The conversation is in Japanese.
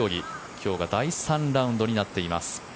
今日が第３ラウンドになっています。